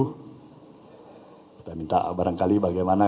kita minta barangkali bagaimana